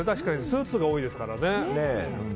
スーツが多いですからね。